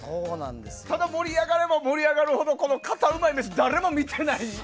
ただ、盛り上がれば盛り上がるほどカタうまい飯、誰も見てない。